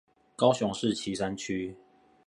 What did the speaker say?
高雄市旗山區